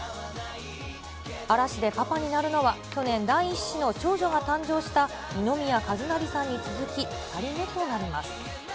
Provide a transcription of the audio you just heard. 嵐でパパになるのは、去年、第１子の長女が誕生した二宮和也さんに続き、２人目となります。